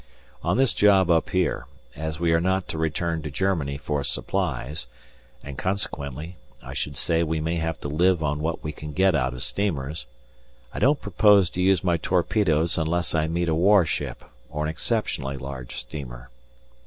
On this job up here, as we are not to return to Germany for supplies, and, consequently, I should say we may have to live on what we can get out of steamers, I don't propose to use my torpedoes unless I meet a warship or an exceptionally large steamer.